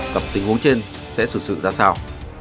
tập tình huống trên sẽ sự sự ra sao